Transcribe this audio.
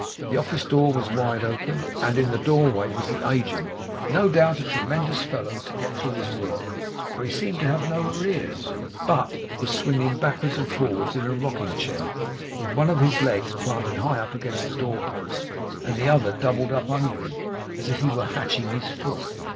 The office door was wide open, and in the doorway was the agent; no doubt a tremendous fellow to get through his work, for he seemed to have no arrears, but was swinging backwards and forwards in a rocking chair, with one of his legs planted high up against the door post, and the other doubled up under him, as if he were hatching his foot.